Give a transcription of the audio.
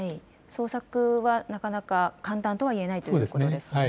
捜索はなかなか簡単とは言えないということですね。